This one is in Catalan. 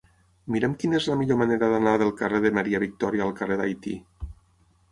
Mira'm quina és la millor manera d'anar del carrer de Maria Victòria al carrer d'Haití.